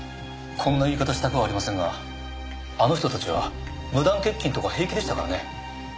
こんな言い方したくはありませんがあの人たちは無断欠勤とか平気でしたからね。